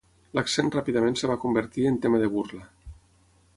L'accent ràpidament es va convertir en tema de burla.